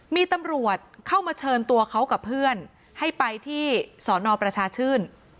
มีตำรวจเข้ามาเชิญตัวเขากับเพื่อนให้ไปที่สอนอประชาชื่น